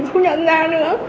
không nhận ra nữa